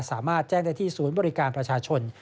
สามารถแจ้งได้ที่ศูนย์บริการประชาชน